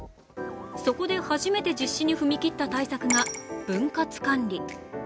そこで初めて実施に踏み切った対策が分割管理。